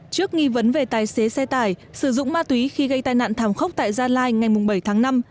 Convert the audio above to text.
trước nghi vấn về tài xế xe tải sử dụng ma túy khi gây tai nạn thảm khốc tại gia lai ngày bảy tháng năm